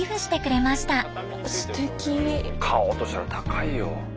買おうとしたら高いよ。